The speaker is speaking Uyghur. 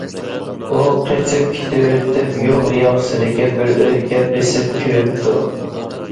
ئۇ قېچىپ كېتىۋېتىپ يول ياقىسىدىكى بىر ئۆيگە بېسىپ كىرىپتۇ.